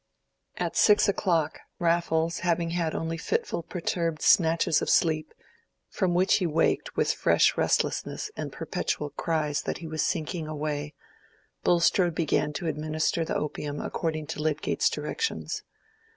At six o'clock, Raffles, having had only fitful perturbed snatches of sleep, from which he waked with fresh restlessness and perpetual cries that he was sinking away, Bulstrode began to administer the opium according to Lydgate's directions.